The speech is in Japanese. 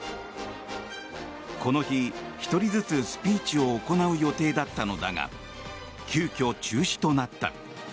この日、１人ずつスピーチを行う予定だったのだが急きょ中止となった。